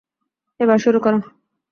এবার শুরু করো।